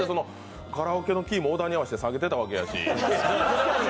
カラオケのキーも小田に合わせて下げてたんだし。